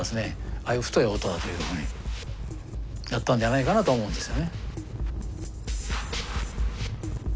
ああいう太い音だというふうにだったんじゃないかなと思うんですよね。